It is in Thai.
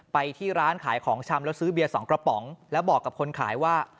ไปที่ร้านขายของชำแล้วซื้อเบียร์๒กระป๋องแล้วบอกกับคนขายว่า